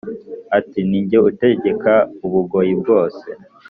Ati: "Ni jye utegeka Ubugoyi bwose